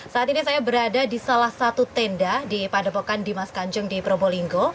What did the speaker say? saat ini saya berada di salah satu tenda di padepokan dimas kanjeng di probolinggo